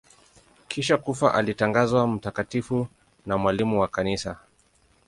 Kisha kufa alitangazwa mtakatifu na mwalimu wa Kanisa.